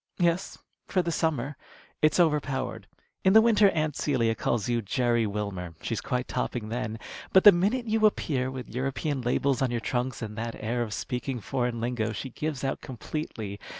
"Yes, for the summer. It's over powered. In the winter Aunt Celia calls you 'Jerry Wilmer.' She's quite topping then. But the minute you appear with European labels on your trunks and that air of speaking foreign lingo, she gives out completely.